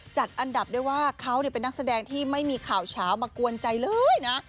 จัดอันดับได้ว่าเขาเป็นนักแสดงที่ไม่มีข่าวเฉามากวนใจเลยนะ